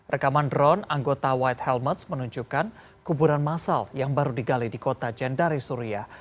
rekaman drone anggota white helmets menunjukkan kuburan masal yang baru digali di kota jendari suria